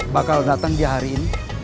bakal datang di hari ini